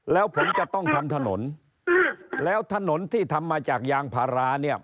แล้วผมจะต้องทำถนนแล้วถนนที่ทำมาจากยางพาราเนี่ย